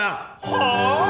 はあ？